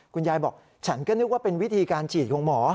คุณยายบอกฉันก็นึกว่าเป็นวิธีการฉีดของหมอ